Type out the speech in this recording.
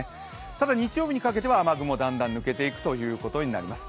ただ日曜日にかけては雨雲、だんだん抜けていくことになります。